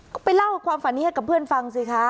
ก็ไปเล่าความฝันนี้ให้กับเพื่อนฟังสิคะ